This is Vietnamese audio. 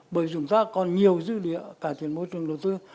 bởi chúng ta còn nhiều dư địa cải thiện môi trường đầu tư